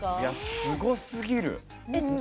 すごすぎる。